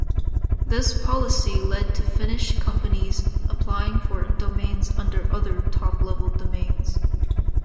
This policy led to Finnish companies' applying for domains under other top-level domains.